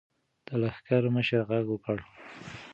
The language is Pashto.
د لښکر مشر غږ وکړ.